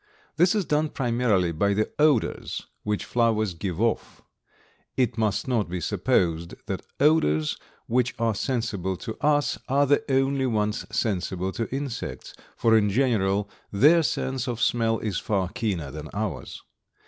This is done primarily by the odors which flowers give off. It must not be supposed that odors which are sensible to us are the only ones sensible to insects, for in general their sense of smell is far keener than ours.